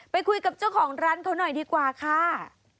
ไปคุยกับเจ้าของร้านเขาหน่อยดีกว่าค่ะ